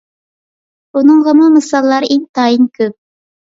بۇنىڭغىمۇ مىساللار ئىنتايىن كۆپ.